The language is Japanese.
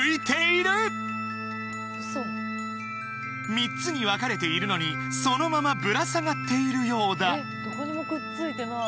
３つに分かれているのにそのままぶら下がっているようだ